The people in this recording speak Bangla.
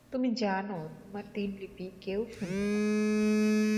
তুমি জানো, তোমার দিনলিপি কেউ শুনবে না?